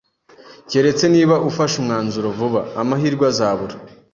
Keretse niba ufashe umwanzuro vuba, amahirwe azabura.